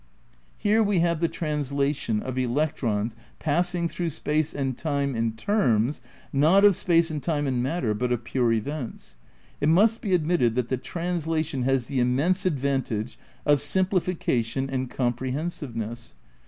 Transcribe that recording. Here we have the translation of electrons passing through space and time in terms, not of space and time and matter, but of pure events. It must be admitted that the translation has the immense advantage of sim plification and comprehensiveness.